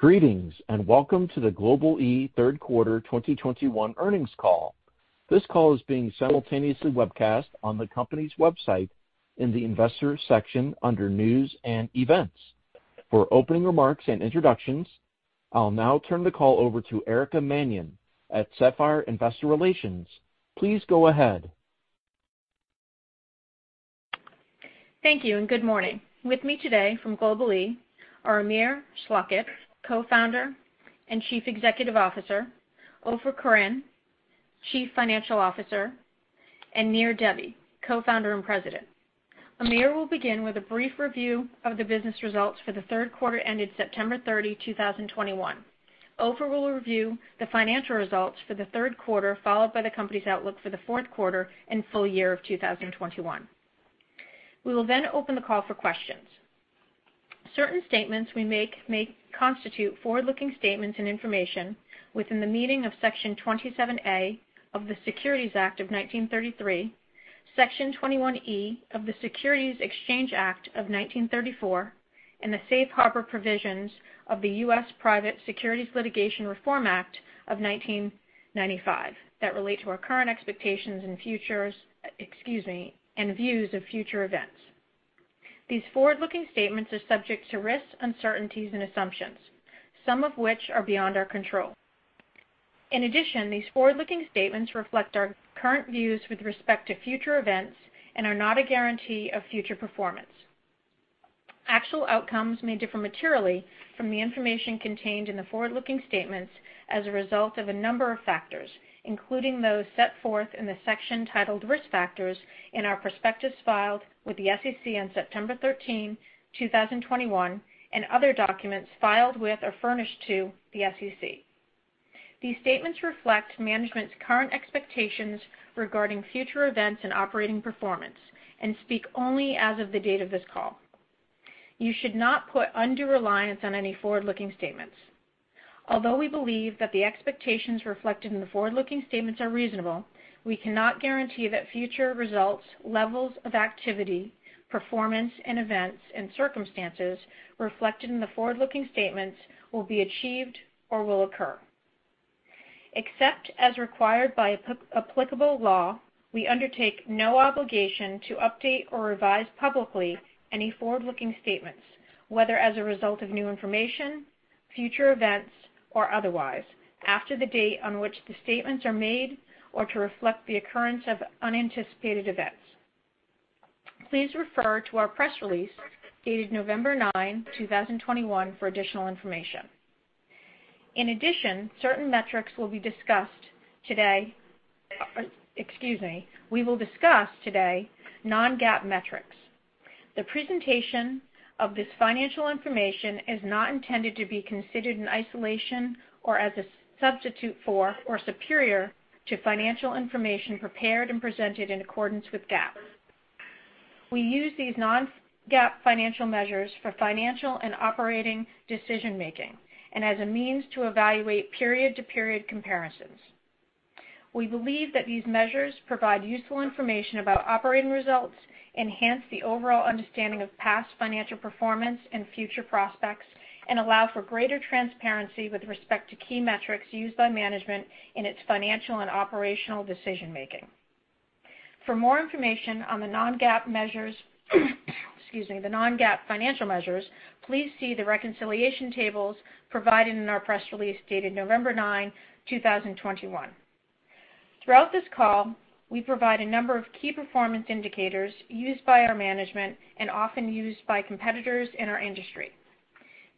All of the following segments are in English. Greetings, and welcome to the Global-e Third Quarter 2021 Earnings Call. This call is being simultaneously webcast on the company's website in the Investors section under News and Events. For opening remarks and introductions, I'll now turn the call over to Erica Mannion at Sapphire Investor Relations. Please go ahead. Thank you, and good morning. With me today from Global-e are Amir Schlachet, Co-founder and Chief Executive Officer, Ofer Koren, Chief Financial Officer, and Nir Debbi, Co-founder and President. Amir will begin with a brief review of the business results for the third quarter ended September 30, 2021. Ofer will review the financial results for the third quarter, followed by the company's outlook for the fourth quarter and full year of 2021. We will then open the call for questions. Certain statements we make may constitute forward-looking statements and information within the meaning of Section 27A of the Securities Act of 1933, Section 21E of the Securities Exchange Act of 1934, and the safe harbor provisions of the U.S. Private Securities Litigation Reform Act of 1995 that relate to our current expectations and futures, and views of future events. These forward-looking statements are subject to risks, uncertainties, and assumptions, some of which are beyond our control. In addition, these forward-looking statements reflect our current views with respect to future events and are not a guarantee of future performance. Actual outcomes may differ materially from the information contained in the forward-looking statements as a result of a number of factors, including those set forth in the section titled Risk Factors in our prospectus filed with the SEC on September 13, 2021, and other documents filed with or furnished to the SEC. These statements reflect management's current expectations regarding future events and operating performance and speak only as of the date of this call. You should not put undue reliance on any forward-looking statements. Although we believe that the expectations reflected in the forward-looking statements are reasonable, we cannot guarantee that future results, levels of activity, performance and events and circumstances reflected in the forward-looking statements will be achieved or will occur. Except as required by applicable law, we undertake no obligation to update or revise publicly any forward-looking statements, whether as a result of new information, future events, or otherwise, after the date on which the statements are made or to reflect the occurrence of unanticipated events. Please refer to our press release dated November 9, 2021 for additional information. In addition, certain metrics will be discussed today. We will discuss today non-GAAP metrics. The presentation of this financial information is not intended to be considered in isolation or as a substitute for or superior to financial information prepared and presented in accordance with GAAP. We use these non-GAAP financial measures for financial and operating decision-making and as a means to evaluate period-to-period comparisons. We believe that these measures provide useful information about operating results, enhance the overall understanding of past financial performance and future prospects, and allow for greater transparency with respect to key metrics used by management in its financial and operational decision-making. For more information on the non-GAAP measures, excuse me, the non-GAAP financial measures, please see the reconciliation tables provided in our press release dated November 9, 2021. Throughout this call, we provide a number of key performance indicators used by our management and often used by competitors in our industry.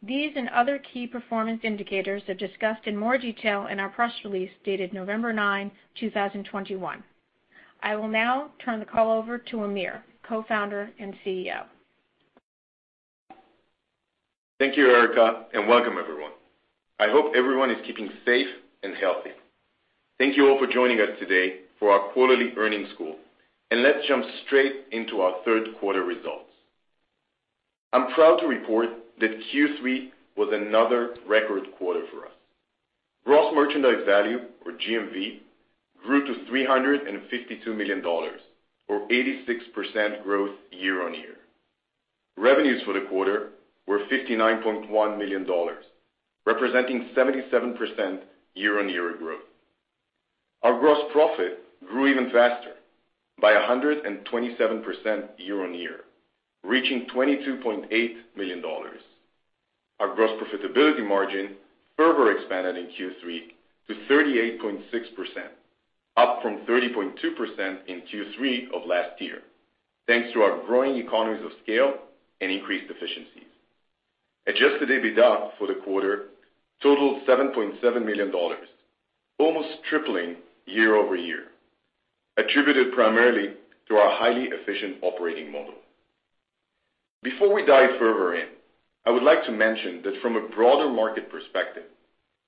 These and other key performance indicators are discussed in more detail in our press release dated November 9, 2021. I will now turn the call over to Amir, Co-founder and CEO. Thank you, Erica, and welcome everyone. I hope everyone is keeping safe and healthy. Thank you all for joining us today for our quarterly earnings call, and let's jump straight into our third quarter results. I'm proud to report that Q3 was another record quarter for us. Gross merchandise value, or GMV, grew to $352 million or 86% growth year-over-year. Revenues for the quarter were $59.1 million, representing 77% year-on-year growth. Our gross profit grew even faster by 127% year-over-year, reaching $22.8 million. Our gross profitability margin further expanded in Q3 to 38.6%, up from 30.2% in Q3 of last year, thanks to our growing economies of scale and increased efficiencies. Adjusted EBITDA for the quarter totaled $7.7 million, almost tripling year-over-year, attributed primarily to our highly efficient operating model. Before we dive further in, I would like to mention that from a broader market perspective,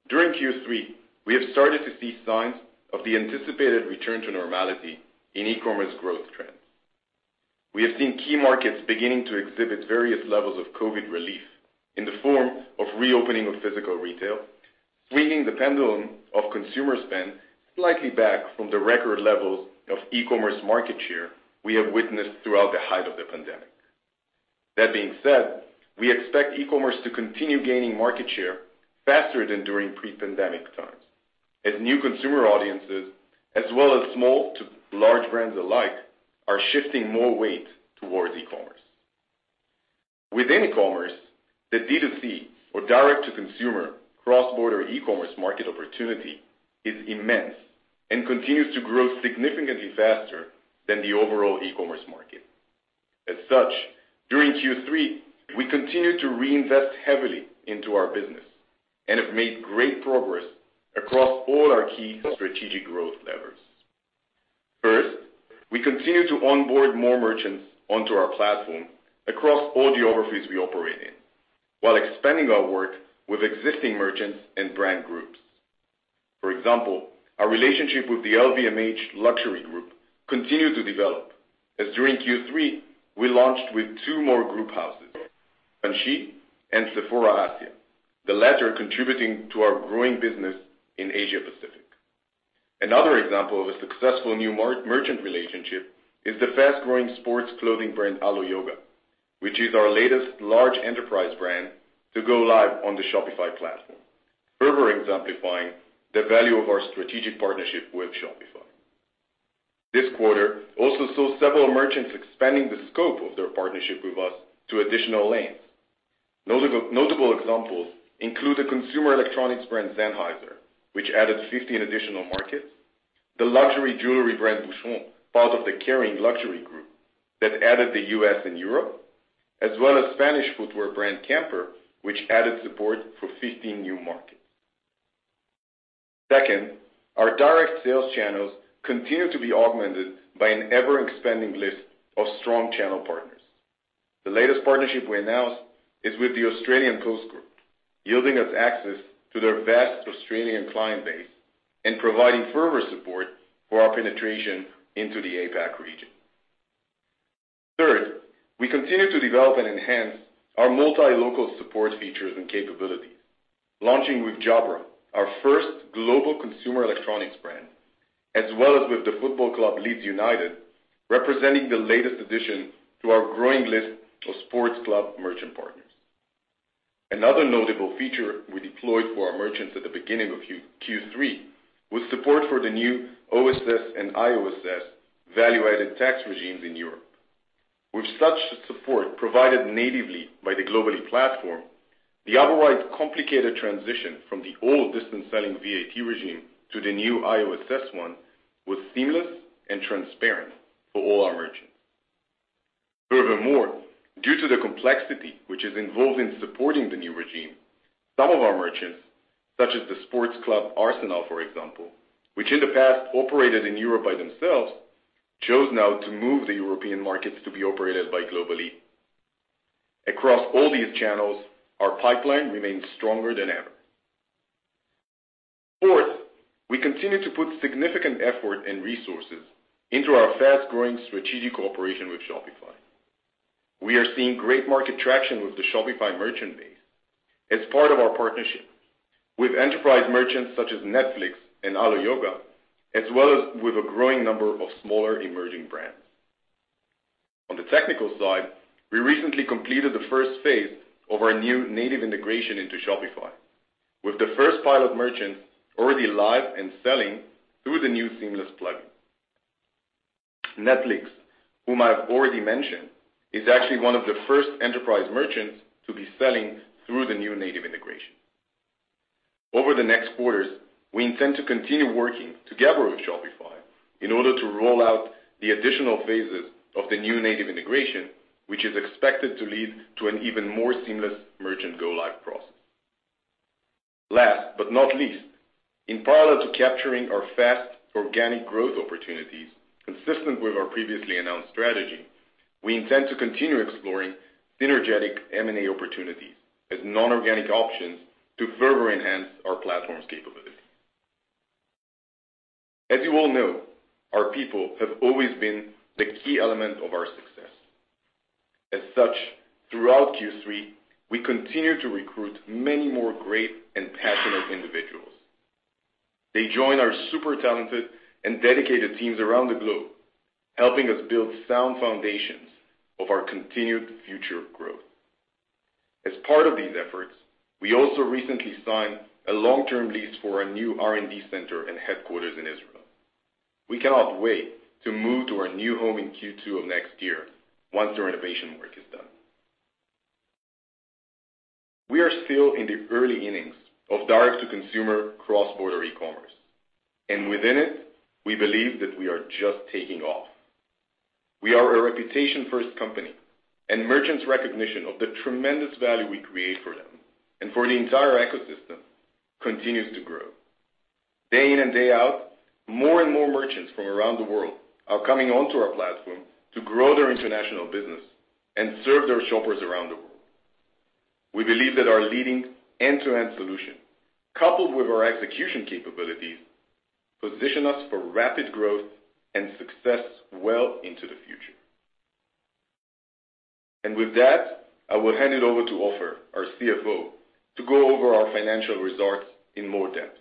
during Q3, we have started to see signs of the anticipated return to normality in e-commerce growth trends. We have seen key markets beginning to exhibit various levels of COVID relief in the form of reopening of physical retail. Swinging the pendulum of consumer spend slightly back from the record levels of e-commerce market share we have witnessed throughout the height of the pandemic. That being said, we expect e-commerce to continue gaining market share faster than during pre-pandemic times, as new consumer audiences, as well as small to large brands alike, are shifting more weight towards e-commerce. Within e-commerce, the D2C or direct-to-consumer cross-border e-commerce market opportunity is immense and continues to grow significantly faster than the overall e-commerce market. As such, during Q3, we continued to reinvest heavily into our business and have made great progress across all our key strategic growth levers. First, we continue to onboard more merchants onto our platform across all geographies we operate in, while expanding our work with existing merchants and brand groups. For example, our relationship with the LVMH luxury group continued to develop, as during Q3 we launched with two more group houses, Givenchy and Sephora Asia, the latter contributing to our growing business in Asia-Pacific. Another example of a successful new merchant relationship is the fast-growing sports clothing brand Alo Yoga, which is our latest large enterprise brand to go live on the Shopify platform, further exemplifying the value of our strategic partnership with Shopify. This quarter also saw several merchants expanding the scope of their partnership with us to additional lanes. Notable examples include the consumer electronics brand Sennheiser, which added 15 additional markets, the luxury jewelry brand Boucheron, part of the Kering luxury group that added the U.S. and Europe, as well as Spanish footwear brand Camper, which added support for 15 new markets. Second, our direct sales channels continue to be augmented by an ever-expanding list of strong channel partners. The latest partnership we announced is with Kogan.com, yielding us access to their vast Australian client base and providing further support for our penetration into the APAC region. Third, we continue to develop and enhance our multi-local support features and capabilities, launching with Jabra, our first global consumer electronics brand, as well as with the football club Leeds United, representing the latest addition to our growing list of sports club merchant partners. Another notable feature we deployed for our merchants at the beginning of Q3 was support for the new OSS and IOSS value-added tax regimes in Europe. With such support provided natively by the Global-e platform, the otherwise complicated transition from the old distance selling VAT regime to the new IOSS one was seamless and transparent for all our merchants. Furthermore, due to the complexity which is involved in supporting the new regime, some of our merchants, such as Arsenal, for example, which in the past operated in Europe by themselves, chose now to move the European markets to be operated by Global-e. Across all these channels, our pipeline remains stronger than ever. Fourth, we continue to put significant effort and resources into our fast-growing strategic cooperation with Shopify. We are seeing great market traction with the Shopify merchant base as part of our partnership with enterprise merchants such as Netflix and Alo Yoga, as well as with a growing number of smaller emerging brands. On the technical side, we recently completed the first phase of our new native integration into Shopify with the first pilot merchants already live and selling through the new seamless plugin. Netflix, whom I've already mentioned, is actually one of the first enterprise merchants to be selling through the new native integration. Over the next quarters, we intend to continue working together with Shopify in order to roll out the additional phases of the new native integration, which is expected to lead to an even more seamless merchant go-live process. Last but not least, in parallel to capturing our fast organic growth opportunities, consistent with our previously announced strategy, we intend to continue exploring synergistic M&A opportunities as non-organic options to further enhance our platform's capability. As you all know, our people have always been the key element of our success. As such, throughout Q3, we continued to recruit many more great and passionate individuals. They join our super talented and dedicated teams around the globe, helping us build sound foundations of our continued future growth. As part of these efforts, we also recently signed a long-term lease for a new R&D center and headquarters in Israel. We cannot wait to move to our new home in Q2 of next year once the renovation work is done. We are still in the early innings of direct-to-consumer cross-border e-commerce, and within it, we believe that we are just taking off. We are a reputation-first company and merchants' recognition of the tremendous value we create for them and for the entire ecosystem continues to grow. Day in and day out, more and more merchants from around the world are coming onto our platform to grow their international business and serve their shoppers around the world. We believe that our leading end-to-end solution, coupled with our execution capabilities, position us for rapid growth and success well into the future. With that, I will hand it over to Ofer, our CFO, to go over our financial results in more depth,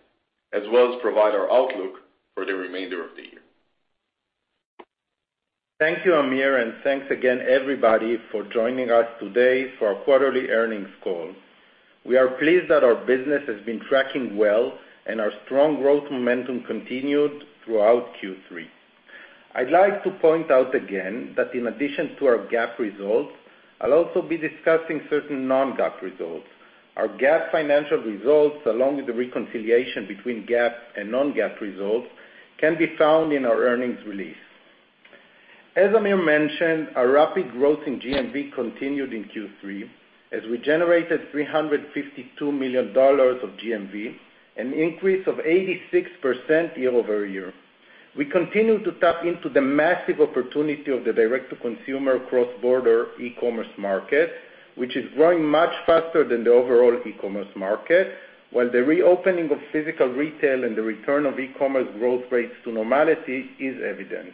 as well as provide our outlook for the remainder of the year. Thank you, Amir, and thanks again everybody for joining us today for our quarterly earnings call. We are pleased that our business has been tracking well and our strong growth momentum continued throughout Q3. I'd like to point out again that in addition to our GAAP results, I'll also be discussing certain non-GAAP results. Our GAAP financial results, along with the reconciliation between GAAP and non-GAAP results, can be found in our earnings release. As Amir mentioned, our rapid growth in GMV continued in Q3, as we generated $352 million of GMV, an increase of 86% year-over-year. We continue to tap into the massive opportunity of the direct-to-consumer cross-border e-commerce market, which is growing much faster than the overall e-commerce market, while the reopening of physical retail and the return of e-commerce growth rates to normality is evident.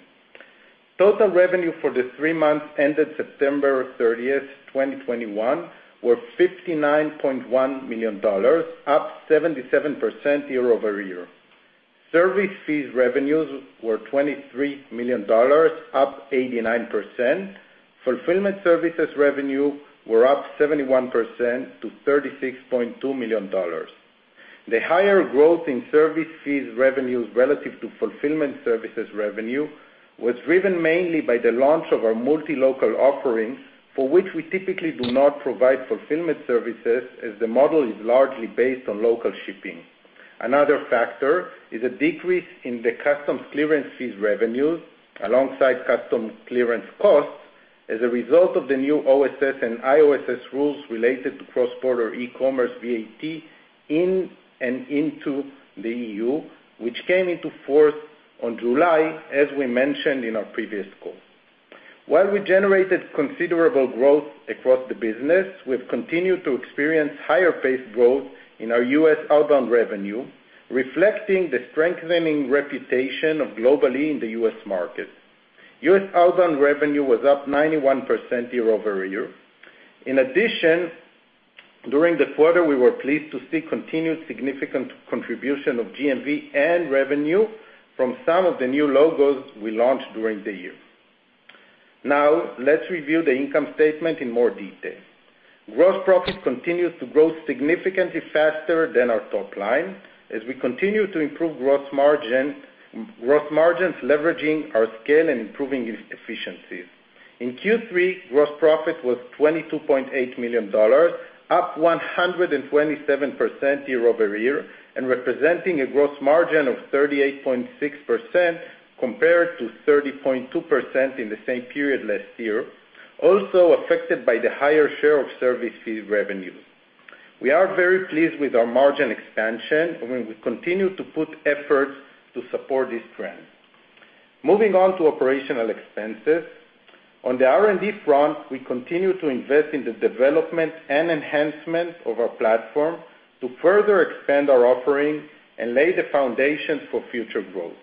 Total revenue for the three months ended September 30th, 2021 were $59.1 million, up 77% year-over-year. Service fees revenues were $23 million, up 89%. Fulfillment services revenue were up 71% to $36.2 million. The higher growth in service fees revenues relative to fulfillment services revenue was driven mainly by the launch of our multi-local offerings, for which we typically do not provide fulfillment services, as the model is largely based on local shipping. Another factor is a decrease in the customs clearance fees revenues alongside customs clearance costs as a result of the new OSS and IOSS rules related to cross-border e-commerce VAT in and into the EU, which came into force on July, as we mentioned in our previous call. While we generated considerable growth across the business, we've continued to experience higher paced growth in our U.S. outbound revenue, reflecting the strengthening reputation of Global-e in the U.S. market. U.S. outbound revenue was up 91% year-over-year. In addition, during the quarter, we were pleased to see continued significant contribution of GMV and revenue from some of the new logos we launched during the year. Now let's review the income statement in more detail. Gross profit continues to grow significantly faster than our top line as we continue to improve growth margin, growth margins, leveraging our scale and improving efficiencies. In Q3, gross profit was $22.8 million, up 127% year-over-year, and representing a gross margin of 38.6% compared to 30.2% in the same period last year, also affected by the higher share of service fee revenues. We are very pleased with our margin expansion, and we will continue to put efforts to support this trend. Moving on to operational expenses. On the R&D front, we continue to invest in the development and enhancement of our platform to further expand our offering and lay the foundation for future growth.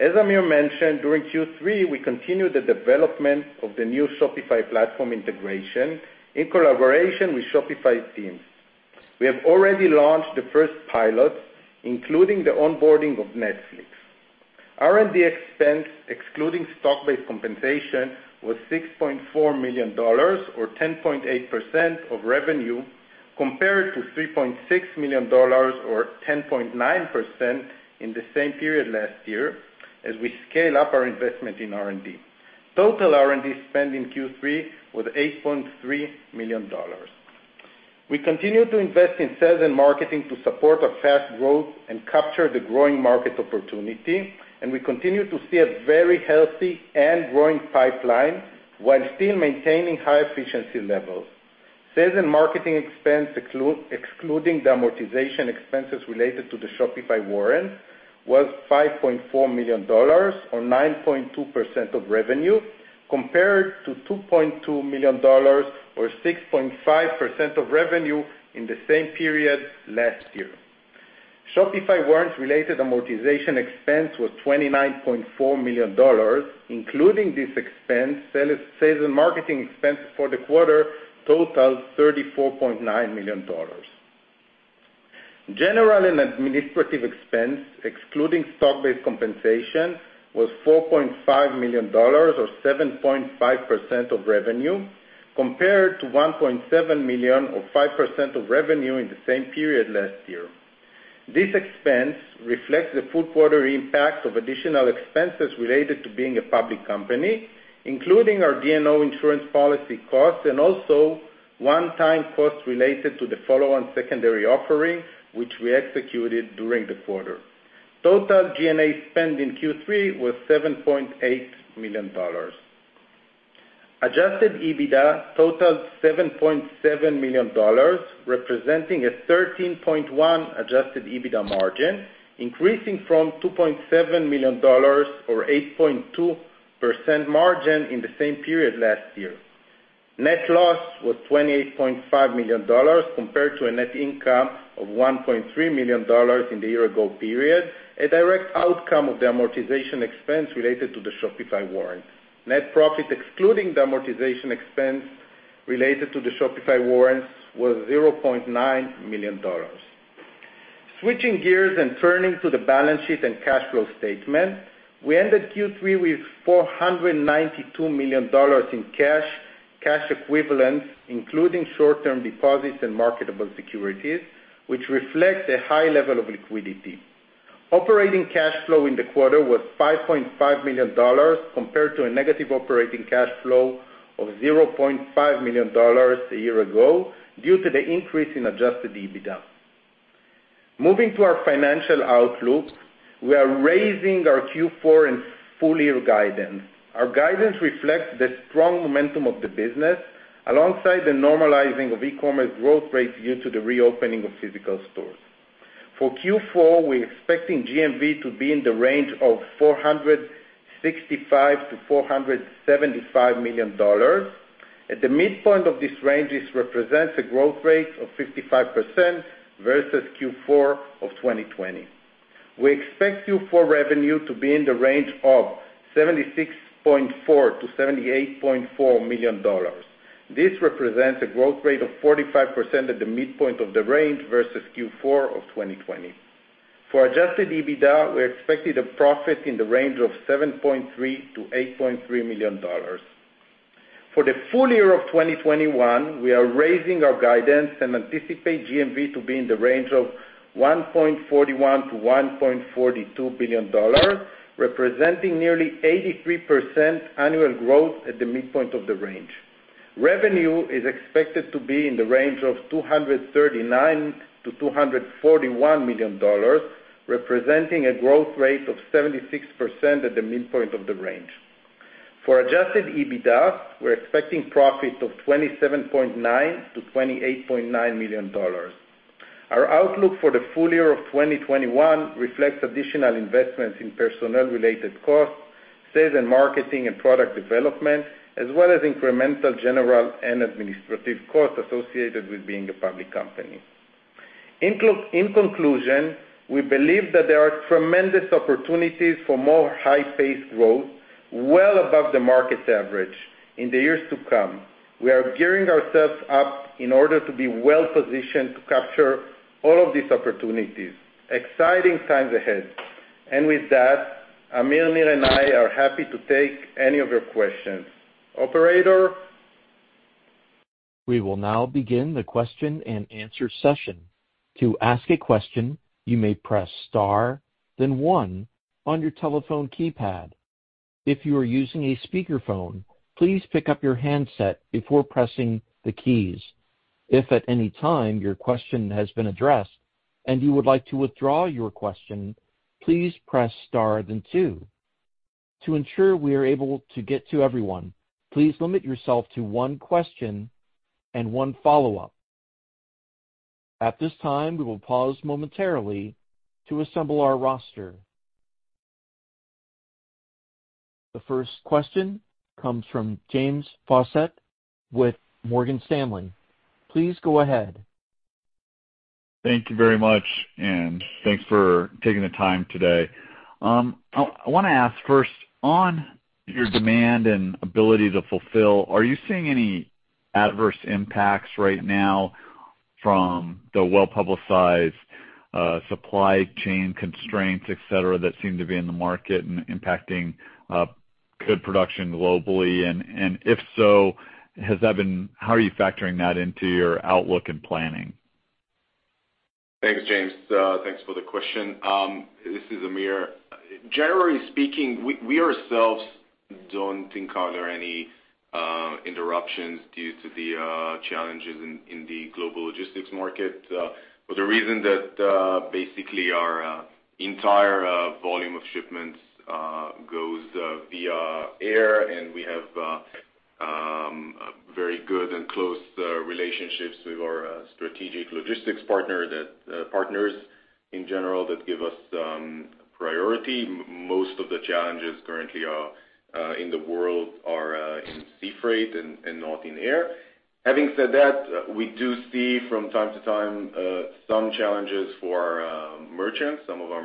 As Amir mentioned, during Q3, we continued the development of the new Shopify platform integration in collaboration with Shopify teams. We have already launched the first pilot, including the onboarding of Netflix. R&D expense, excluding stock-based compensation, was $6.4 million, or 10.8% of revenue, compared to $3.6 million or 10.9% in the same period last year, as we scale up our investment in R&D. Total R&D spend in Q3 was $8.3 million. We continue to invest in sales and marketing to support our fast growth and capture the growing market opportunity, and we continue to see a very healthy and growing pipeline while still maintaining high efficiency levels. Sales and marketing expense excluding the amortization expenses related to the Shopify warrant was $5.4 million or 9.2% of revenue, compared to $2.2 million or 6.5% of revenue in the same period last year. Shopify warrants related amortization expense was $29.4 million, including this expense, sales and marketing expense for the quarter totals $34.9 million. General and administrative expense, excluding stock-based compensation, was $4.5 million or 7.5% of revenue, compared to $1.7 million or 5% of revenue in the same period last year. This expense reflects the full quarter impact of additional expenses related to being a public company, including our D&O insurance policy costs and also one-time costs related to the follow-on secondary offering, which we executed during the quarter. Total G&A spend in Q3 was $7.8 million. Adjusted EBITDA totaled $7.7 million, representing a 13.1% adjusted EBITDA margin, increasing from $2.7 million or 8.2% margin in the same period last year. Net loss was $28.5 million compared to a net income of $1.3 million in the year ago period, a direct outcome of the amortization expense related to the Shopify warrant. Net profit excluding the amortization expense related to the Shopify warrants was $0.9 million. Switching gears and turning to the balance sheet and cash flow statement. We ended Q3 with $492 million in cash equivalents, including short-term deposits and marketable securities, which reflects a high level of liquidity. Operating cash flow in the quarter was $5.5 million compared to a negative operating cash flow of $0.5 million a year ago due to the increase in adjusted EBITDA. Moving to our financial outlook, we are raising our Q4 and full year guidance. Our guidance reflects the strong momentum of the business alongside the normalizing of e-commerce growth rates due to the reopening of physical stores. For Q4, we're expecting GMV to be in the range of $465 million-$475 million. At the midpoint of this range, this represents a growth rate of 55% versus Q4 of 2020. We expect Q4 revenue to be in the range of $76.4 million-$78.4 million. This represents a growth rate of 45% at the midpoint of the range versus Q4 of 2020. For Adjusted EBITDA, we expected a profit in the range of $7.3 million-$8.3 million. For the full year of 2021, we are raising our guidance and anticipate GMV to be in the range of $1.41 billion-$1.42 billion, representing nearly 83% annual growth at the midpoint of the range. Revenue is expected to be in the range of $239 million-$241 million, representing a growth rate of 76% at the midpoint of the range. For Adjusted EBITDA, we're expecting profit of $27.9 million-$28.9 million. Our outlook for the full year of 2021 reflects additional investments in personnel related costs, sales and marketing and product development, as well as incremental general and administrative costs associated with being a public company. In conclusion, we believe that there are tremendous opportunities for more high-paced growth, well above the market's average in the years to come. We are gearing ourselves up in order to be well-positioned to capture all of these opportunities. Exciting times ahead. With that, Amir, Nir and I are happy to take any of your questions. Operator? We will now begin the question and answer session. To ask a question, you may press Star, then one on your telephone keypad. If you are using a speakerphone, please pick up your handset before pressing the keys. If at any time your question has been addressed and you would like to withdraw your question, please press Star then two. To ensure we are able to get to everyone, please limit yourself to one question and one follow-up. At this time, we will pause momentarily to assemble our roster. The first question comes from James Faucette with Morgan Stanley. Please go ahead. Thank you very much, and thanks for taking the time today. I wanna ask first, on your demand and ability to fulfill, are you seeing any adverse impacts right now from the well-publicized supply chain constraints, et cetera, that seem to be in the market and impacting goods production globally? If so, how are you factoring that into your outlook and planning? Thanks, James. Thanks for the question. This is Amir. Generally speaking, we ourselves don't encounter any interruptions due to the challenges in the global logistics market for the reason that basically our entire volume of shipments goes via air, and we have very good and close relationships with our strategic logistics partner that partners in general that give us priority. Most of the challenges currently in the world are in sea freight and not in air. Having said that, we do see from time to time some challenges for our merchants. Some of our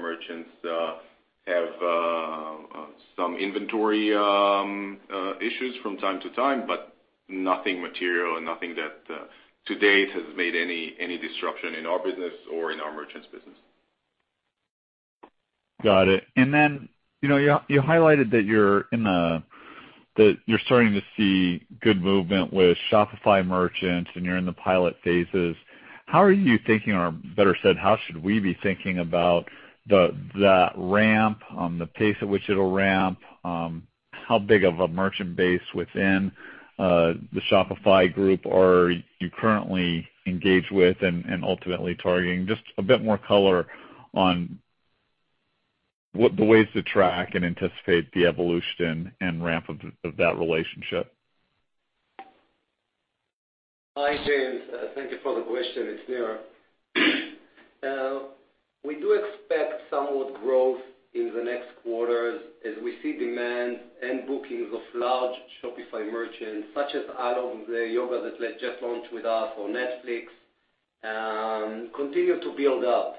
merchants have some inventory issues from time to time, but nothing material and nothing that to date has made any disruption in our business or in our merchants' business. Got it. You know, you highlighted that you're starting to see good movement with Shopify merchants and you're in the pilot phases. How are you thinking, or better said, how should we be thinking about the ramp on the pace at which it'll ramp? How big of a merchant base within the Shopify group are you currently engaged with and ultimately targeting? Just a bit more color on what the ways to track and anticipate the evolution and ramp of that relationship. Hi, James. Thank you for the question. It's Nir. We do expect some growth in the next quarters as we see demand and bookings of large Shopify merchants, such as Alo Yoga that they just launched with us or Netflix, continue to build up.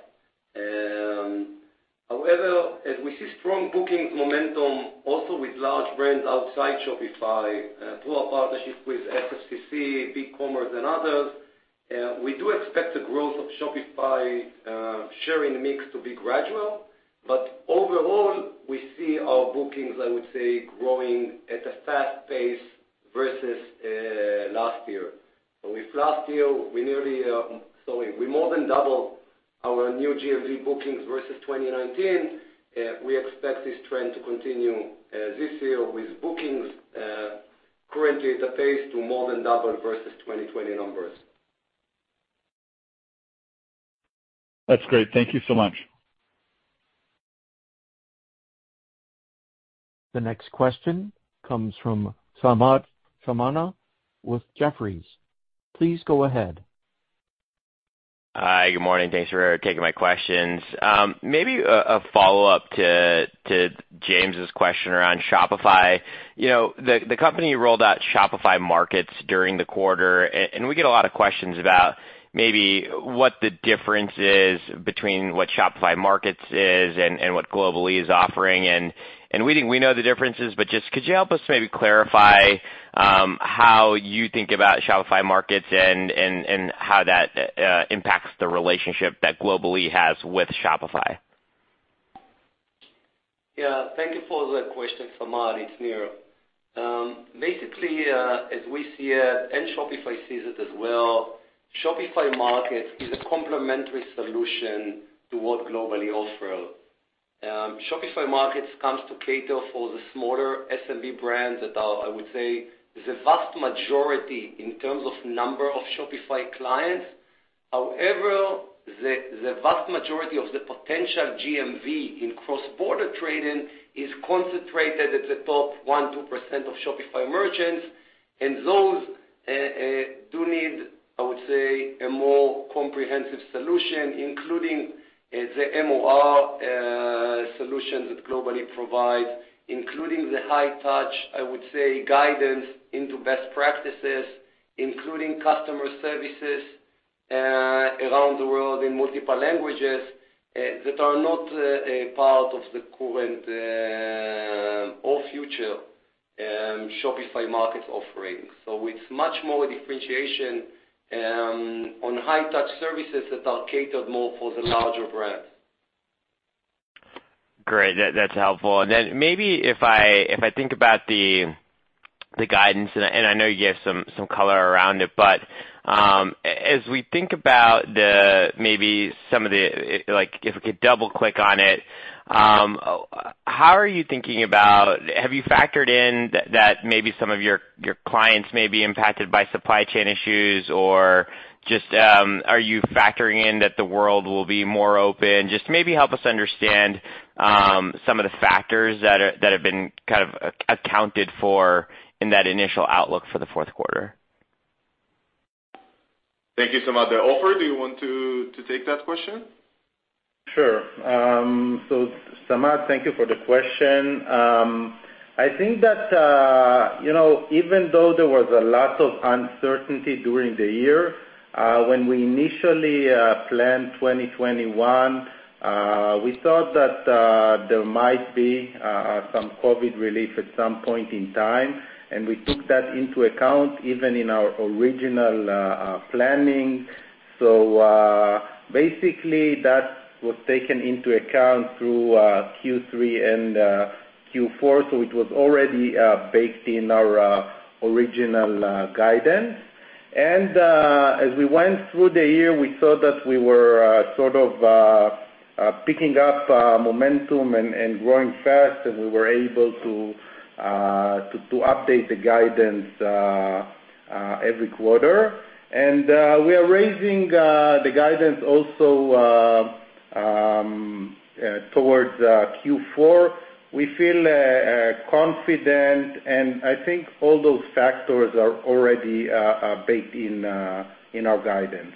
However, as we see strong bookings momentum also with large brands outside Shopify, through our partnership with SFCC, BigCommerce, and others, we do expect the growth of Shopify sharing mix to be gradual. Overall, we see our bookings, I would say, growing at a fast pace versus last year. With last year, we more than doubled our new GMV bookings versus 2019. We expect this trend to continue this year with bookings currently at a pace to more than double versus 2020 numbers. That's great. Thank you so much. The next question comes from Samad Samana with Jefferies. Please go ahead. Hi, good morning. Thanks for taking my questions. Maybe a follow-up to James' question around Shopify. You know, the company rolled out Shopify Markets during the quarter. We get a lot of questions about maybe what the difference is between what Shopify Markets is and what Global-e is offering. We think we know the differences, but just could you help us maybe clarify how you think about Shopify Markets and how that impacts the relationship that Global-e has with Shopify? Yeah. Thank you for the question, Samad. It's Nir. Basically, as we see it, and Shopify sees it as well, Shopify Markets is a complementary solution to what Global-e offer. Shopify Markets comes to cater for the smaller SMB brands that are, I would say, the vast majority in terms of number of Shopify clients. However, the vast majority of the potential GMV in cross-border trading is concentrated at the top 1-2% of Shopify merchants, and those do need, I would say, a more comprehensive solution, including the MOR solution that Global-e provides, including the high touch, I would say, guidance into best practices, including customer services around the world in multiple languages, that are not a part of the current or future Shopify Markets offerings. It's much more a differentiation on high touch services that are catered more for the larger brands. Great. That's helpful. Maybe if I think about the guidance, and I know you gave some color around it, but as we think about maybe some of the, like, if we could double-click on it, how are you thinking about? Have you factored in that maybe some of your clients may be impacted by supply chain issues? Or just are you factoring in that the world will be more open? Just maybe help us understand some of the factors that have been kind of accounted for in that initial outlook for the fourth quarter. Thank you, Samad. Ofer, do you want to take that question? Sure. So Samad, thank you for the question. I think that, you know, even though there was a lot of uncertainty during the year, when we initially planned 2021, we thought that there might be some COVID relief at some point in time, and we took that into account even in our original planning. Basically, that was taken into account through Q3 and Q4, so it was already baked in our original guidance. As we went through the year, we saw that we were sort of picking up momentum and growing fast, and we were able to update the guidance every quarter. We are raising the guidance also towards Q4. We feel confident, and I think all those factors are already baked in our guidance.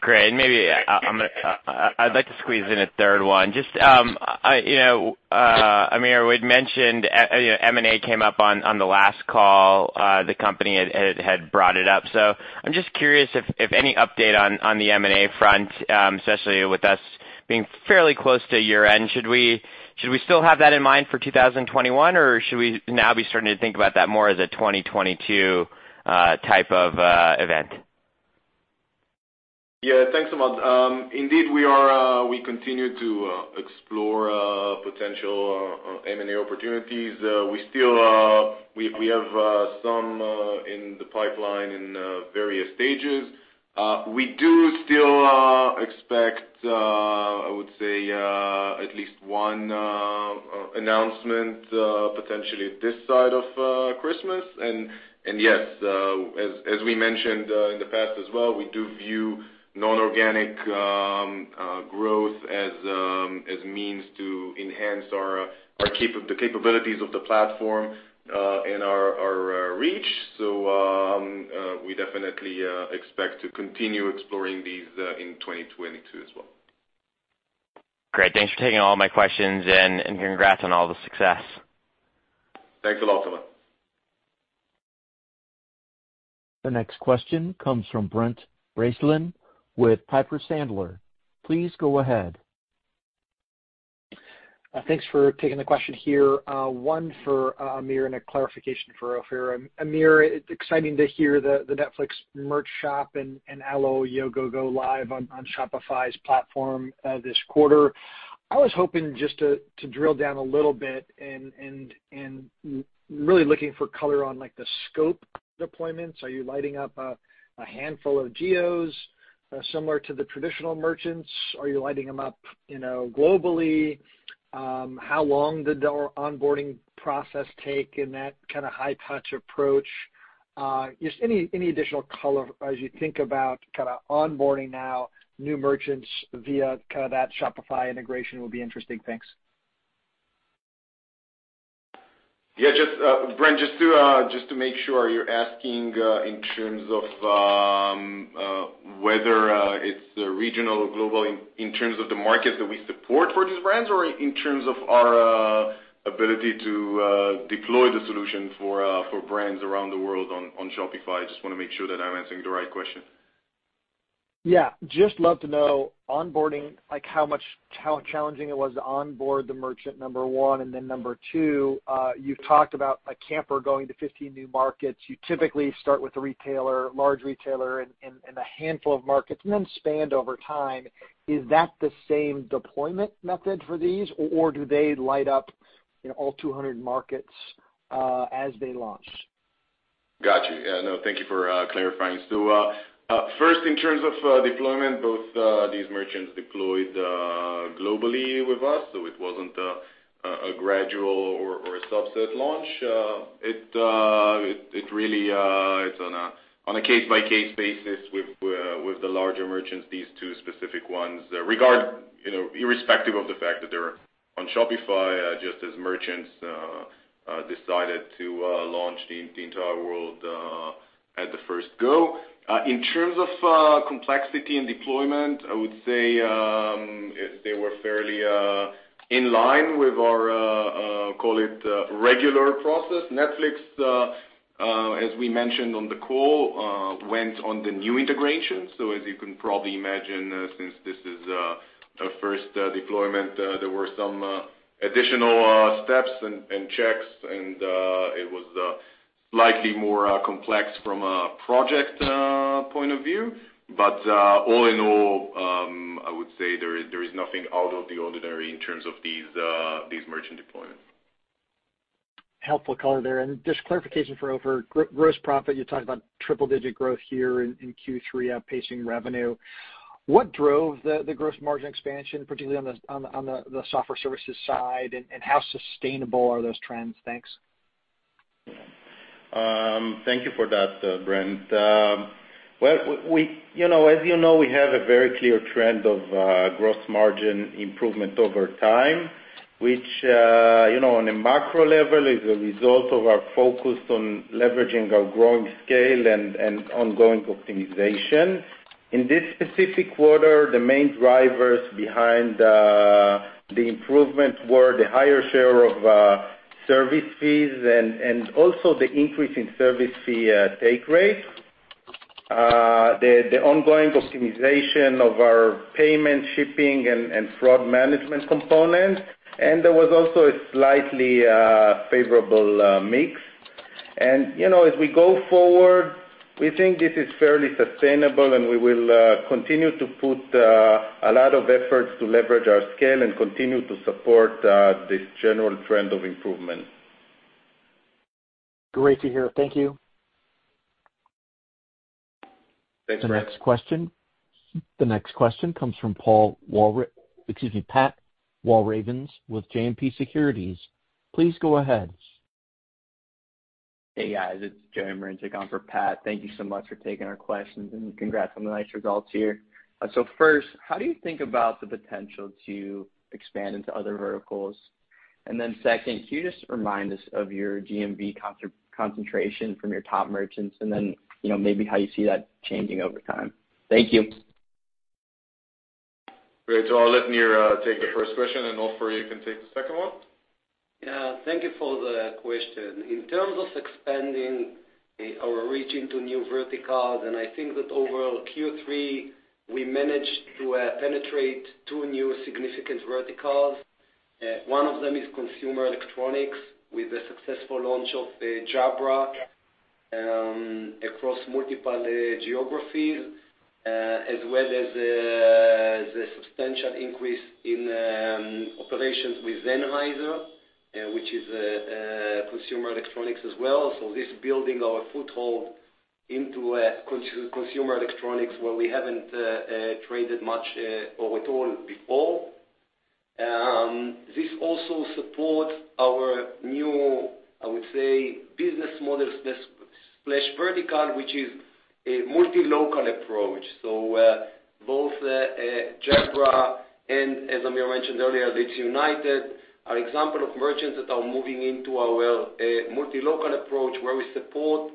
Great. Maybe I'd like to squeeze in a third one. Just, you know, Amir had mentioned, you know, M&A came up on the last call. The company had brought it up. I'm just curious if any update on the M&A front, especially with us being fairly close to year-end. Should we still have that in mind for 2021, or should we now be starting to think about that more as a 2022 type of event? Yeah. Thanks, Samad. Indeed, we continue to explore potential M&A opportunities. We still have some in the pipeline in various stages. We do still expect, I would say, at least one announcement potentially this side of Christmas. Yes, as we mentioned in the past as well, we do view non-organic growth as means to enhance our capabilities of the platform and our reach. We definitely expect to continue exploring these in 2022 as well. Great. Thanks for taking all my questions, and congrats on all the success. Thanks a lot, Samad. The next question comes from Brent Bracelin with Piper Sandler. Please go ahead. Thanks for taking the question here. One for Amir, and a clarification for Ofer. Amir, it's exciting to hear the Netflix merch shop and Alo Yoga go live on Shopify's platform this quarter. I was hoping just to drill down a little bit and really looking for color on like the scope deployments. Are you lighting up a handful of geos similar to the traditional merchants? Are you lighting them up, you know, globally? How long did the onboarding process take in that kinda high touch approach? Just any additional color as you think about kinda onboarding now new merchants via kinda that Shopify integration will be interesting. Thanks. Yeah, just, Brent, just to make sure you're asking in terms of whether it's regional or global in terms of the market that we support for these brands or in terms of our ability to deploy the solution for brands around the world on Shopify? I just wanna make sure that I'm answering the right question. Just love to know onboarding, like how much challenging it was to onboard the merchant, number one. Number two, you've talked about a Camper going to 15 new markets. You typically start with a retailer, large retailer and a handful of markets and then expand over time. Is that the same deployment method for these, or do they light up, you know, all 200 markets as they launch? Got you. Yeah, no, thank you for clarifying. First in terms of deployment, both these merchants deployed globally with us, so it wasn't a gradual or a subset launch. It really is on a case-by-case basis with the larger merchants, these two specific ones, you know, irrespective of the fact that they're on Shopify, just as merchants decided to launch in the entire world at the first go. In terms of complexity and deployment, I would say they were fairly in line with our call it regular process. Netflix, as we mentioned on the call, went on the new integration. As you can probably imagine, since this is a first deployment, there were some additional steps and it was slightly more complex from a project point of view. All in all, I would say there is nothing out of the ordinary in terms of these merchant deployments. Helpful color there. Just clarification for Ofer. Gross profit, you talked about triple-digit growth here in Q3 outpacing revenue. What drove the gross margin expansion, particularly on the software services side, and how sustainable are those trends? Thanks. Thank you for that, Brent. Well, you know, as you know, we have a very clear trend of gross margin improvement over time, which you know, on a macro level is a result of our focus on leveraging our growing scale and ongoing optimization. In this specific quarter, the main drivers behind the improvements were the higher share of service fees and also the increase in service fee take rate. The ongoing optimization of our payment, shipping, and fraud management component. There was also a slightly favorable mix. You know, as we go forward, we think this is fairly sustainable, and we will continue to put a lot of efforts to leverage our scale and continue to support this general trend of improvement. Great to hear. Thank you. Thanks, Brent. The next question comes from excuse me, Pat Walravens with JMP Securities. Please go ahead. Hey, guys. It's Joey Marincek on for Pat. Thank you so much for taking our questions, and congrats on the nice results here. So first, how do you think about the potential to expand into other verticals? And then second, can you just remind us of your GMV concentration from your top merchants and then, you know, maybe how you see that changing over time? Thank you. Great. I'll let Nir take the first question, and Ofer, you can take the second one. Yeah. Thank you for the question. In terms of expanding our reach into new verticals, and I think that overall Q3, we managed to penetrate two new significant verticals. One of them is consumer electronics with the successful launch of Jabra across multiple geographies as well as the substantial increase in operations with Sennheiser, which is consumer electronics as well. This is building our foothold into consumer electronics where we haven't traded much or at all before. This also supports our new, I would say, business model/vertical, which is a multi-local approach. Both Jabra and as Amir mentioned earlier, Leeds United are examples of merchants that are moving into our multi-local approach, where we support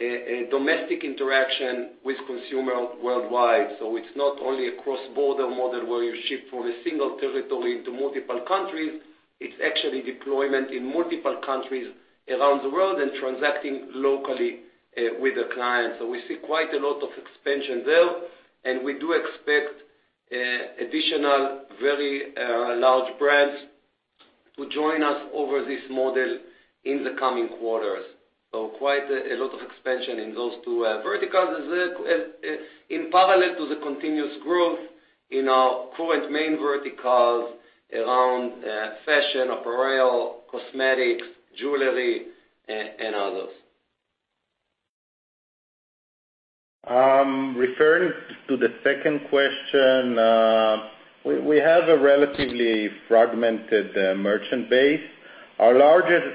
a domestic interaction with consumers worldwide. It's not only a cross-border model where you ship from a single territory into multiple countries, it's actually deployment in multiple countries around the world and transacting locally with the client. We see quite a lot of expansion there, and we do expect additional very large brands to join us over this model in the coming quarters. Quite a lot of expansion in those two verticals as in parallel to the continuous growth in our current main verticals around fashion, apparel, cosmetics, jewelry and others. Referring to the second question, we have a relatively fragmented merchant base. Our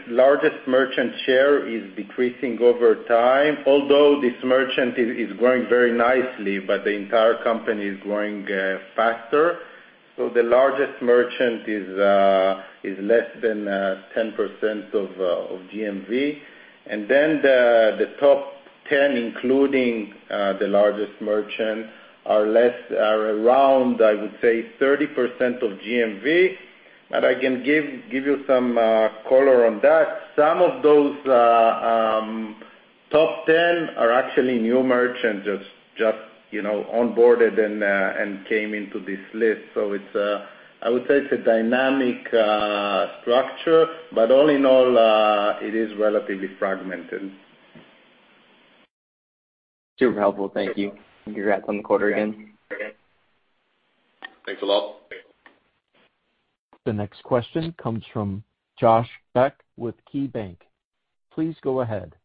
largest merchant share is decreasing over time, although this merchant is growing very nicely, but the entire company is growing faster. The largest merchant is less than 10% of GMV. Then the top 10, including the largest merchant, are around, I would say, 30% of GMV. I can give you some color on that. Some of those top 10 are actually new merchants just you know onboarded and came into this list. It is relatively fragmented. Super helpful. Thank you. Congrats on the quarter again. Thanks a lot. The next question comes from Josh Beck with KeyBanc. Please go ahead.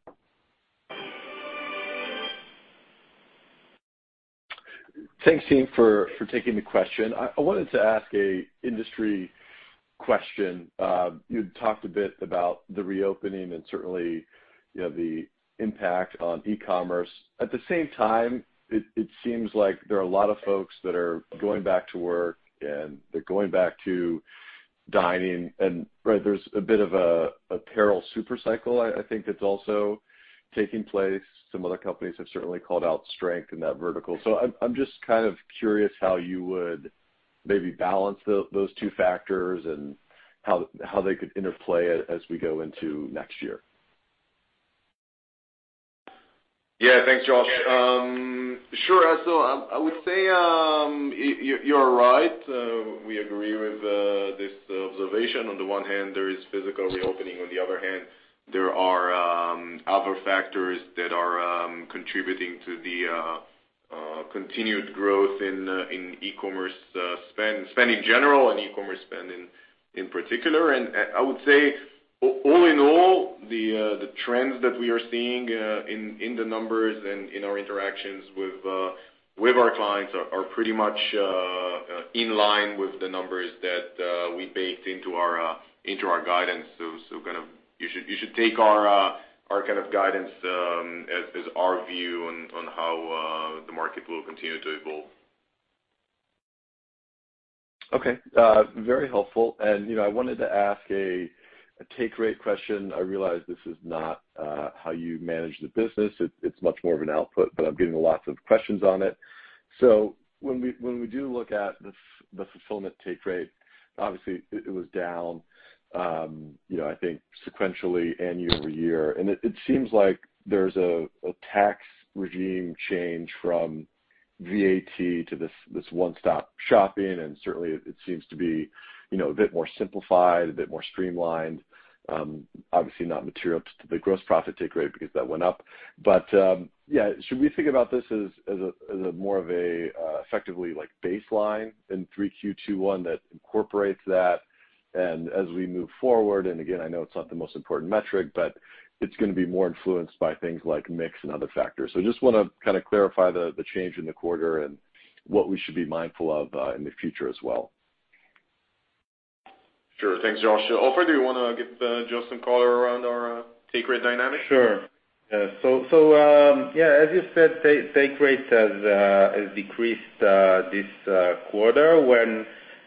Thanks team for taking the question. I wanted to ask an industry question. You'd talked a bit about the reopening and certainly, you know, the impact on e-commerce. At the same time, it seems like there are a lot of folks that are going back to work, and they're going back to dining and, right, there's a bit of a apparel super cycle I think that's also taking place. Some other companies have certainly called out strength in that vertical. I'm just kind of curious how you would maybe balance those two factors and how they could interplay as we go into next year. Yeah. Thanks, Josh. Sure. I would say you're right. We agree with this observation. On the one hand, there is physical reopening. On the other hand, there are other factors that are contributing to the continued growth in e-commerce spend in general and e-commerce spend in particular. I would say all in all, the trends that we are seeing in the numbers and in our interactions with our clients are pretty much in line with the numbers that we baked into our guidance. Kind of, you should take our guidance as our view on how the market will continue to evolve. Okay. Very helpful. You know, I wanted to ask a take rate question. I realize this is not how you manage the business. It's much more of an output, but I'm getting lots of questions on it. When we do look at the fulfillment take rate, obviously it was down, you know, I think sequentially and year-over-year. It seems like there's a tax regime change from VAT to this one-stop shopping, and certainly it seems to be, you know, a bit more simplified, a bit more streamlined. Obviously not material to the gross profit take rate because that went up. Yeah, should we think about this as a more of a effectively like baseline than 3Q21 that incorporates that? As we move forward, and again, I know it's not the most important metric, but it's gonna be more influenced by things like mix and other factors. So I just wanna kinda clarify the change in the quarter and what we should be mindful of in the future as well. Sure. Thanks, Josh. Ofer, do you wanna give Josh some color around our take rate dynamic? Sure. Yeah, as you said, take rate has decreased this quarter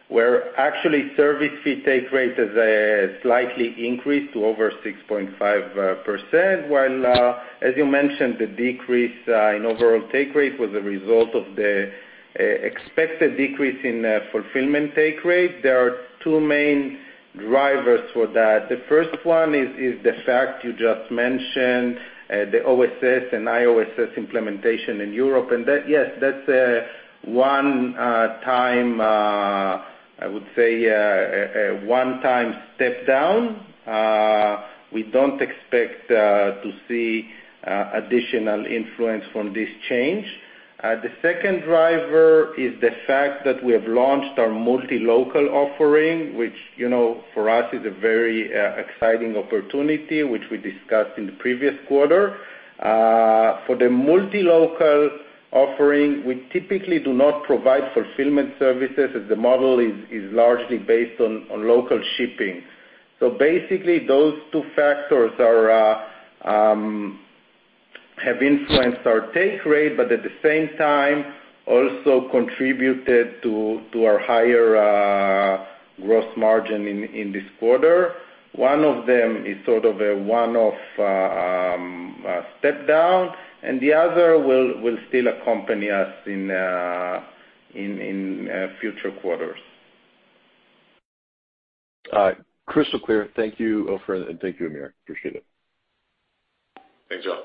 where actually service fee take rate has slightly increased to over 6.5%, while as you mentioned, the decrease in overall take rate was a result of the expected decrease in fulfillment take rate. There are two main drivers for that. The first one is the fact you just mentioned, the OSS and IOSS implementation in Europe. That, yes, that's a one-time step down. I would say, we don't expect to see additional influence from this change. The second driver is the fact that we have launched our multi-local offering, which, you know, for us is a very exciting opportunity, which we discussed in the previous quarter. For the multi-local offering, we typically do not provide fulfillment services as the model is largely based on local shipping. Basically, those two factors have influenced our take rate, but at the same time also contributed to our higher gross margin in this quarter. One of them is sort of a one-off step down, and the other will still accompany us in future quarters. Crystal clear. Thank you, Ofer, and thank you, Amir. Appreciate it. Thanks, y'all.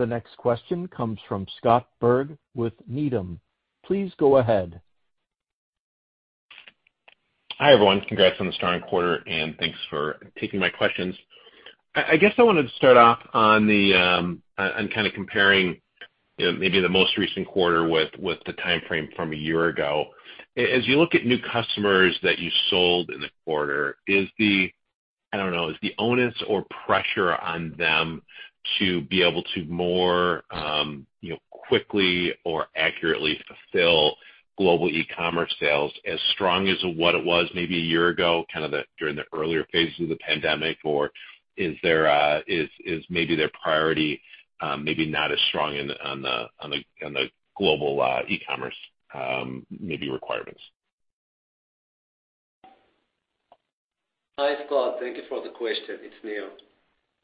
The next question comes from Scott Berg with Needham. Please go ahead. Hi, everyone. Congrats on the strong quarter, and thanks for taking my questions. I guess I wanted to start off on kind of comparing, you know, maybe the most recent quarter with the timeframe from a year ago. As you look at new customers that you sold in the quarter, I don't know, is the onus or pressure on them to be able to more, you know, quickly or accurately fulfill global e-commerce sales as strong as what it was maybe a year ago, kind of during the earlier phases of the pandemic? Or is there, is maybe their priority, maybe not as strong on the global e-commerce requirements? Hi, Scott. Thank you for the question. It's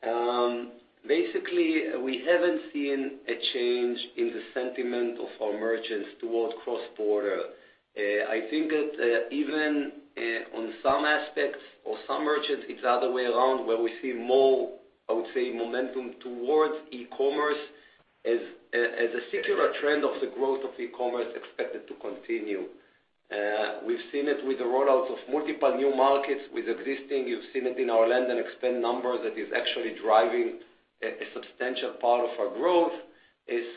Nir. Basically, we haven't seen a change in the sentiment of our merchants towards cross-border. I think that even on some aspects or some merchants, it's the other way around, where we see more, I would say, momentum towards e-commerce as a secular trend of the growth of e-commerce expected to continue. We've seen it with the rollouts of multiple new markets with existing. You've seen it in our land and expand numbers that is actually driving a substantial part of our growth.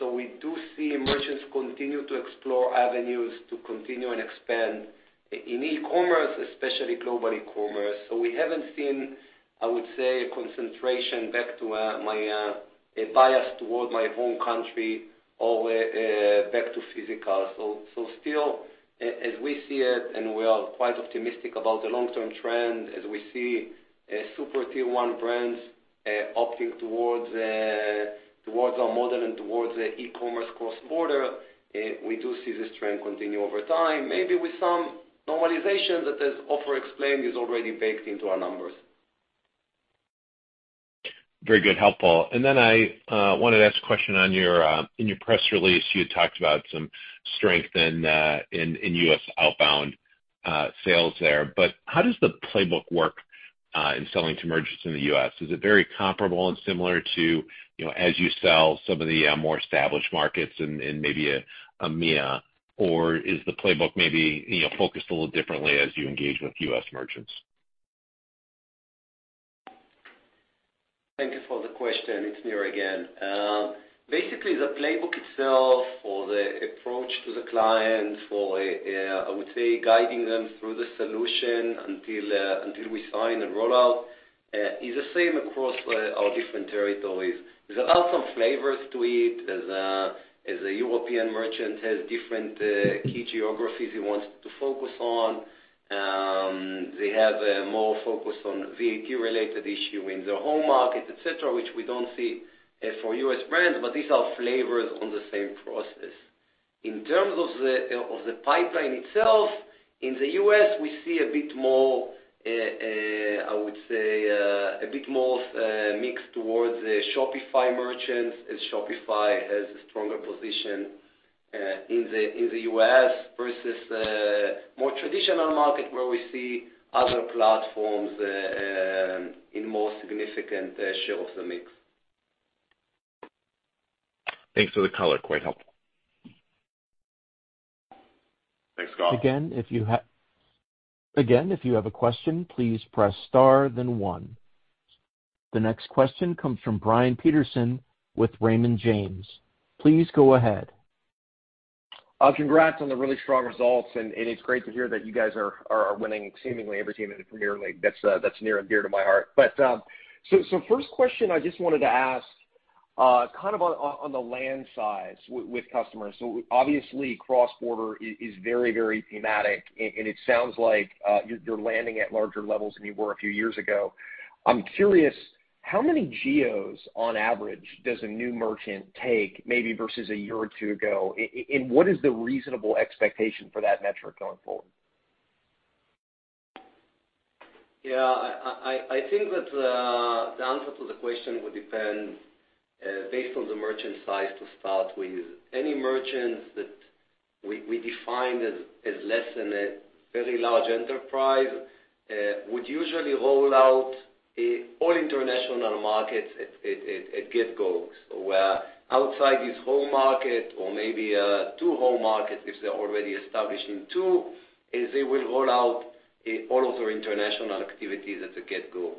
We do see merchants continue to explore avenues to continue and expand in e-commerce, especially global e-commerce. We haven't seen, I would say, a concentration back to my home country or back to physical. Still as we see it, we are quite optimistic about the long-term trend as we see super tier one brands opting towards our model and towards the e-commerce cross-border. We do see this trend continue over time, maybe with some normalization that, as Ofer explained, is already baked into our numbers. Very good. Helpful. Then I wanted to ask a question on your—In your press release, you had talked about some strength in U.S. outbound sales there. How does the playbook work in selling to merchants in the U.S.? Is it very comparable and similar to, you know, as you sell some of the more established markets in maybe EMEA? Or is the playbook maybe, you know, focused a little differently as you engage with U.S. merchants? Thank you for the question. It's Nir again. Basically, the playbook itself or the approach to the clients for, I would say, guiding them through the solution until we sign the rollout, is the same across our different territories. There are some flavors to it, as a European merchant has different key geographies he wants to focus on. They have more focus on VAT-related issue in their home market, et cetera, which we don't see for U.S. brands, but these are flavors on the same process. In terms of the pipeline itself, in the U.S., we see a bit more mixed towards the Shopify merchants, as Shopify has a stronger position in the U.S. versus more traditional market where we see other platforms in more significant share of the mix. Thanks for the color. Quite helpful. Thanks, Scott. Again, if you have a question, please press star then 1. The next question comes from Brian Peterson with Raymond James. Please go ahead. Congrats on the really strong results, and it's great to hear that you guys are winning seemingly every team in the Premier League. That's near and dear to my heart. First question I just wanted to ask, kind of on the land size with customers. Obviously cross-border is very, very thematic, and it sounds like you're landing at larger levels than you were a few years ago. I'm curious how many geos on average does a new merchant take maybe versus a year or two ago? What is the reasonable expectation for that metric going forward? Yeah. I think that the answer to the question would depend based on the merchant size to start with. Any merchant that we define as less than a very large enterprise would usually roll out all international markets at get-go. So where outside his home market or maybe two home markets if they're already established in two, is they will roll out all of their international activities at the get-go.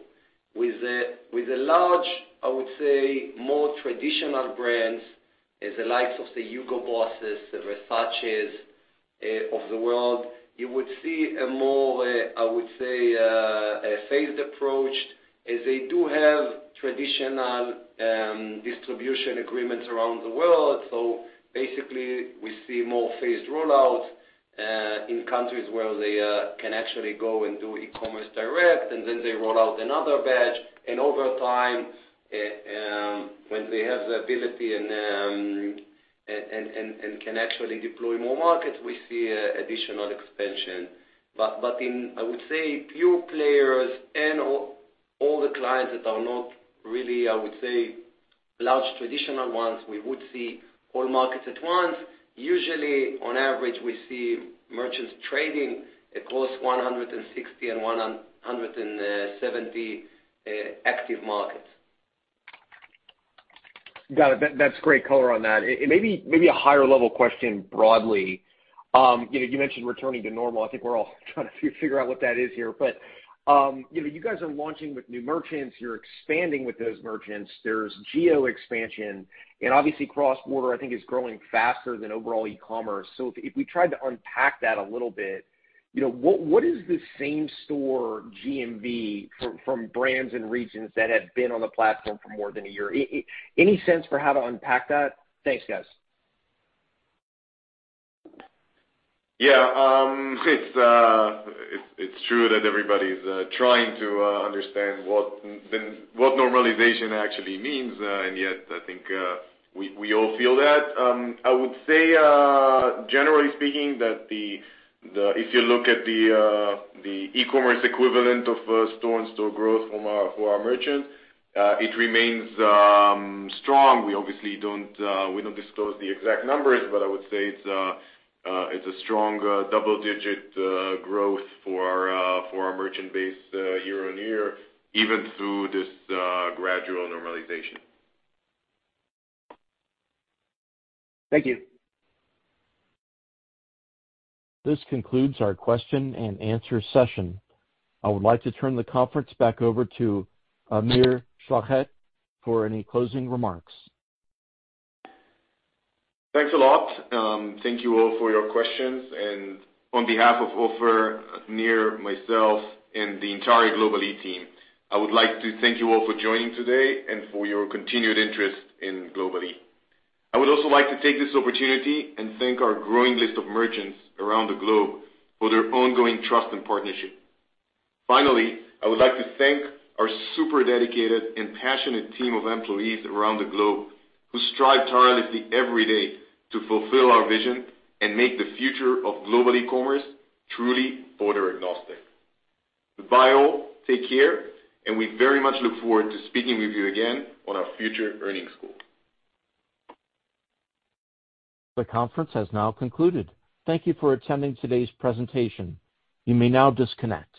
With the large, I would say, more traditional brands as the likes of the Hugo Boss, the Versace, of the world, you would see a more, I would say, a phased approach, as they do have traditional distribution agreements around the world. Basically we see more phased rollouts in countries where they can actually go and do e-commerce direct, and then they roll out another batch. Over time, when they have the ability and can actually deploy more markets, we see additional expansion. In, I would say, few players The clients that are not really, I would say, large traditional ones, we would see all markets at once. Usually, on average, we see merchants trading across 160 and 170 active markets. Got it. That's great color on that. Maybe a higher level question broadly. You know, you mentioned returning to normal. I think we're all trying to figure out what that is here. You know, you guys are launching with new merchants, you're expanding with those merchants, there's geo expansion, and obviously cross-border, I think is growing faster than overall e-commerce. If we tried to unpack that a little bit, you know, what is the same store GMV from brands and regions that have been on the platform for more than a year? Any sense for how to unpack that? Thanks, guys. Yeah. It's true that everybody's trying to understand what normalization actually means, and yet I think we all feel that. I would say, generally speaking, that if you look at the e-commerce equivalent of store-on-store growth for our merchants, it remains strong. We obviously don't disclose the exact numbers, but I would say it's a strong double-digit growth for our merchant base, year-on-year, even through this gradual normalization. Thank you. This concludes our question and answer session. I would like to turn the conference back over to Amir Schlachet for any closing remarks. Thanks a lot. Thank you all for your questions. On behalf of Ofer, Nir, myself, and the entire Global-e team, I would like to thank you all for joining today and for your continued interest in Global-e. I would also like to take this opportunity and thank our growing list of merchants around the globe for their ongoing trust and partnership. Finally, I would like to thank our super dedicated and passionate team of employees around the globe who strive tirelessly every day to fulfill our vision and make the future of global e-commerce truly order agnostic. Bye all. Take care, and we very much look forward to speaking with you again on our future earnings call. The conference has now concluded. Thank you for attending today's presentation. You may now disconnect.